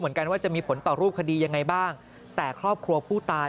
เหมือนกันว่าจะมีผลต่อรูปคดียังไงบ้างแต่ครอบครัวผู้ตาย